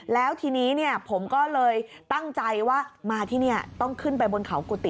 แล้วทีนี้ผมก็เลยตั้งใจว่ามาที่นี่ต้องขึ้นไปบนเขากุฏิ